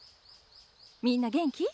みんな元気？